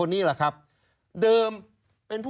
ชีวิตกระมวลวิสิทธิ์สุภาณฑ์